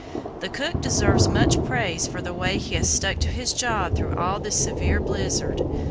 "The cook deserves much praise for the way he has stuck to his job through all this severe blizzard.